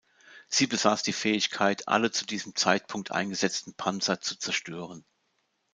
Sie besaß die Fähigkeit, alle zu diesem Zeitpunkt eingesetzten Panzer zu zerstören.